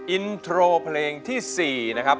อินโทรเพลงที่๔นะครับ